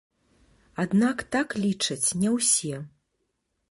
Аднак так лічаць не ўсе.